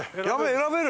選べる！